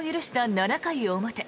７回表。